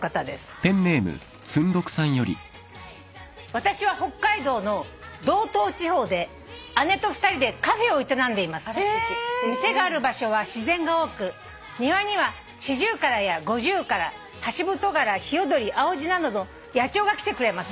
「私は北海道の道東地方で姉と２人でカフェを営んでいます」「店がある場所は自然が多く庭にはシジュウカラやゴジュウカラハシブトガラヒヨドリアオジなどの野鳥が来てくれます」